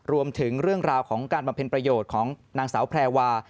รวมถึงเรื่องราวของการบำเพ็ญประโยชน์ของนางสาวแพรวา